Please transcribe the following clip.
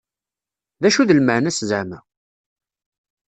D acu d lmeεna-s zeεma?